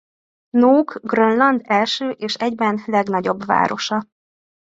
Nuuk Grönland első és egyben legnagyobb városa.